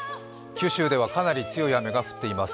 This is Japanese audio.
九州ではかなり強い雨が降っています。